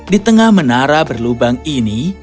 di tengah menara berlubang ini